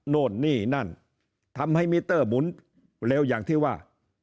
โน่นนี่นั่นทำให้มิเตอร์หมุนเร็วอย่างที่ว่า